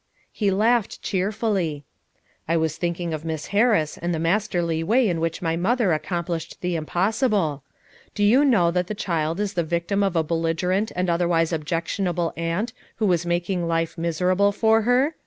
' He laughed cheerfully. "I was thinking of Miss Harris and the masterly way in which my mother accomplished the impossible. Do you know that the child is the victim of a belligerent and otherwise objectionable aunt who was mak ing life miserable for her?